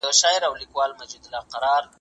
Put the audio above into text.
دا هڅه به ګټوره تمامه شي.